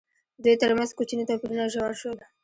دوی ترمنځ کوچني توپیرونه ژور شول.